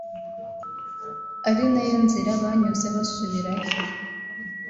ari nayo nzira banyuze basubirayo